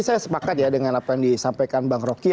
saya sepakat ya dengan apa yang disampaikan bang rocky